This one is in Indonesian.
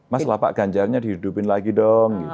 mas lapak ganjarnya dihidupin lagi dong